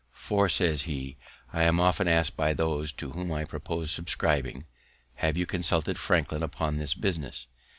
"For," says he, "I am often ask'd by those to whom I propose subscribing, Have you consulted Franklin upon this business?